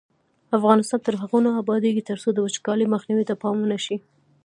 افغانستان تر هغو نه ابادیږي، ترڅو د وچکالۍ مخنیوي ته پام ونشي.